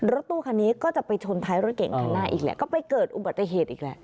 รถตู้คันนี้ก็จะไปชนท้ายรถเก่งคันหน้าอีกแหละก็ไปเกิดอุบัติเหตุอีกแหละ